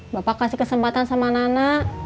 bapak kasih kesempatan sama nana